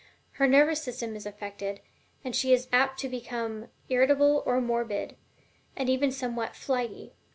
Her nervous system is affected, and she is apt to become irritable or morbid, or even somewhat "flighty."